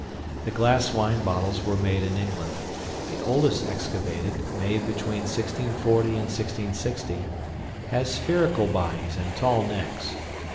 The glass wine bottles were made in England. The oldest excavated, made between 1640 and 1660, have spherical bodies and tall necks.